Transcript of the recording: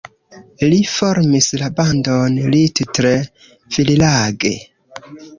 Li formis la bandon Little Village.